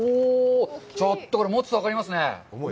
ちょっとこれ、持つと分かりますね。